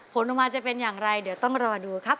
ผลออกมาจะเป็นอย่างไรเดี๋ยวต้องรอดูครับ